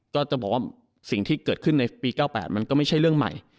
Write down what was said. ก็จะบอกว่าสิ่งที่เกิดขึ้นในปี๙๘มันก็ไม่ใช่เรื่องใหม่